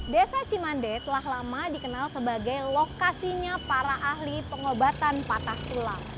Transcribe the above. desa cimande telah lama dikenal sebagai lokasinya para ahli pengobatan patah tulang